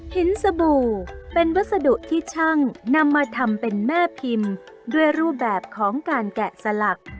สบู่เป็นวัสดุที่ช่างนำมาทำเป็นแม่พิมพ์ด้วยรูปแบบของการแกะสลัก